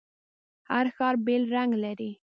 هر ښار بیل رنګ لري.